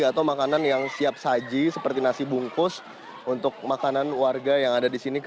atau makanan yang siap saji seperti nasi bungkus untuk makanan warga yang ada di sini